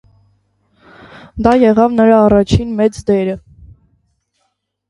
Դա եղավ նրա առաջին մեծ դերը։